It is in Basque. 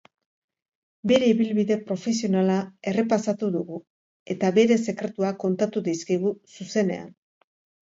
Bere ibilbide profesionala errepasatu dugu eta bere sekretuak kontatu dizkigu, zuzenean.